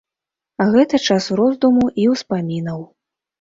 Гэта час роздуму і ўспамінаў.